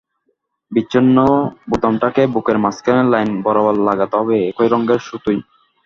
বিচ্ছিন্ন বোতামটাকে বুকের মাঝখানে লাইন বরাবর লাগাতে হবে, একই রঙের সুতোয়।